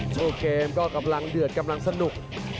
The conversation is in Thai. โชว์เกมก็กำลังเดือดกำลังสนุก